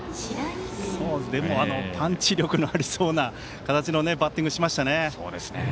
でも、パンチ力のありそうな形のバッティングしましたね。